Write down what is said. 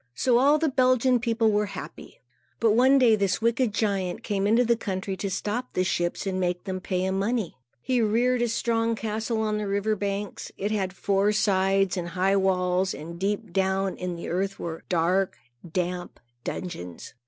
So all the Belgian people were happy. But one day, this wicked giant came into the country to stop the ships and make them pay him money. He reared a strong castle on the river banks. It had four sides and high walls, and deep down in the earth were dark, damp dungeons.